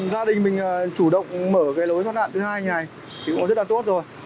gia đình mình chủ động mở cái lối thoát nạn thứ hai này thì cũng rất là tốt rồi